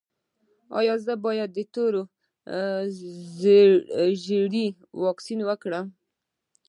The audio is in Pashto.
ایا زه باید د تور ژیړي واکسین وکړم؟